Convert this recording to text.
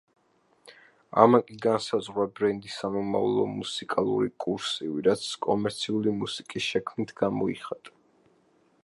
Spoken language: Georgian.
ამან კი განსაზღვრა ბენდის სამომავლო მუსიკალური კურსივი, რაც კომერციული მუსიკის შექმნით გამოიხატა.